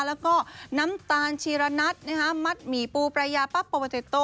แล้วก็น้ำตาลชีระนัทมัดหมี่ปูปรายาปั๊บโปเตโต